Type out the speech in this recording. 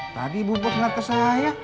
tadi ibu buat ngeliat ke saya